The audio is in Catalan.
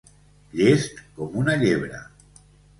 Llest com una llebre.